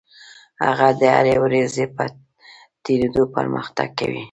هغه د هرې ورځې په تېرېدو پرمختګ کوي.